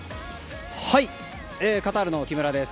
カタールの木村です。